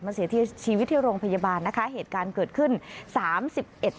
เสียชีวิตชีวิตที่โรงพยาบาลนะคะเหตุการณ์เกิดขึ้นสามสิบเอ็ด